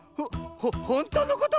ほほんとうのこと⁉